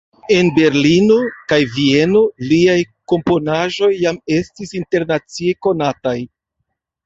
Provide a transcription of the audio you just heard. En Berlino kaj Vieno liaj komponaĵoj jam estis internacie konataj.